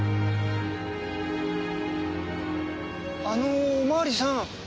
あのお巡りさん。